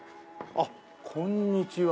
あっこんにちは。